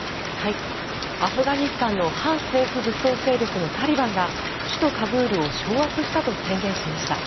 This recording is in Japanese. アフガニスタンの反政府武装勢力タリバンが首都カブールを掌握したと宣言しました。